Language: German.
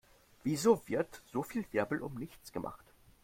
Wieso wird so viel Wirbel um nichts gemacht?